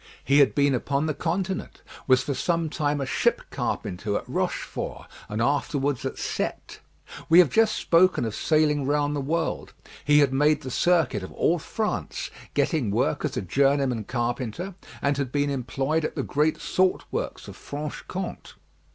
He had been upon the continent; was for some time a ship carpenter at Rochefort, and afterwards at Cette. We have just spoken of sailing round the world; he had made the circuit of all France, getting work as a journeyman carpenter; and had been employed at the great salt works of Franche Comte.